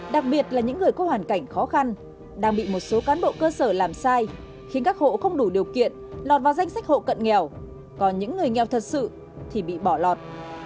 đặc biệt là những người có hoàn cảnh khó khăn đang bị một số cán bộ cơ sở làm sai khiến các hộ không đủ điều kiện lọt vào danh sách hộ cận nghèo còn những người nghèo thật sự thì bị bỏ lọt